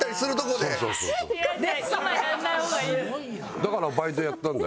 だからバイトやったんだよ